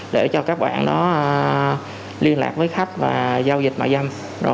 để cho các bạn liên lạc với khách và giao dịch bán dâm